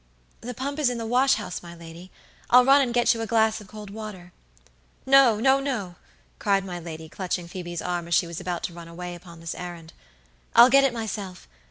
"The pump is in the wash house, my lady; I'll run and get you a glass of cold water." "No, no, no," cried my lady, clutching Phoebe's arm as she was about to run away upon this errand; "I'll get it myself.